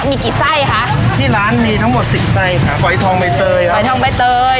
มีกี่ไส้คะที่ร้านมีทั้งหมดสิบไส้ค่ะฝอยทองใบเตยครับฝอยทองใบเตย